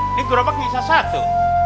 ini gerobak bisa satu